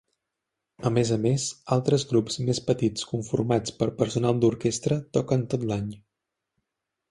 A més a més, altres grups més petits conformats per personal d'orquestra toquen tot l'any.